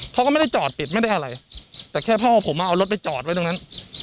เขาก็ไม่ได้จอดปิดไม่ได้อะไรแต่แค่พ่อผมมาเอารถไปจอดไว้ตรงนั้น